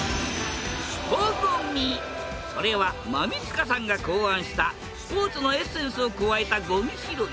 それは馬見塚さんが考案したスポーツのエッセンスを加えたごみ拾い。